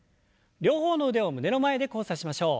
両方の腕を胸の前で交差しましょう。